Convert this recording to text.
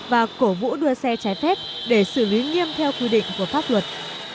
và cổ vũ đua xe trái phép để xử lý nghiêm theo quy định của pháp luật